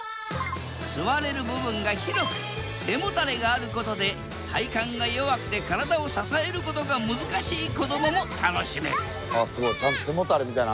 座れる部分が広く背もたれがあることで体幹が弱くて体を支えることが難しい子どもも楽しめる。